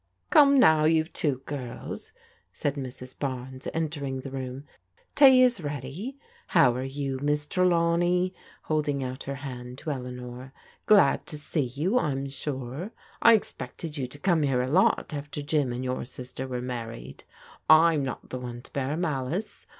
" Come now, you two girls," said Mrs. Barnes enter ing the room, " tea is ready. How are you, Miss Tre lawney ?" holding out her hand to Eleanor. " Glad to see you, I'm sure. I expected you to come here a lot after Jim and your sister were married. I'm not the one to bear malice.